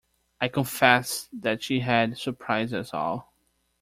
I confessed that she had surprised us all.